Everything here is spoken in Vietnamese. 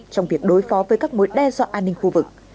trong việc đối phó với các mối đe dọa an ninh khu vực